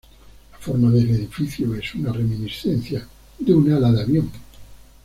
La forma del edificio es una reminiscencia de un ala de avión.